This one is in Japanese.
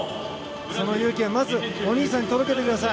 その勇気はまずお兄さんに届けてください。